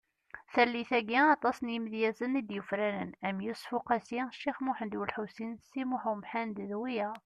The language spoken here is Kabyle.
Tallit-agi, aṭas n yimedyazen i d-yufraren am Yusef Uqasi , Cix Muhend Ulḥusin Si Muḥend Umḥend d wiyaḍ .